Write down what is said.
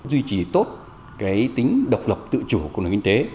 duy trì tốt tính độc lập tự chủ của nền kinh tế